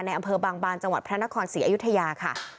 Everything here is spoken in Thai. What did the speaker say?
อำเภอบางบานจังหวัดพระนครศรีอยุธยาค่ะ